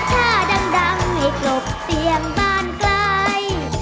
ช้าดังให้กรบเสียงด้านใกล้